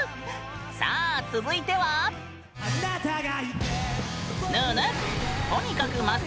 さあ続いては。ぬぬ！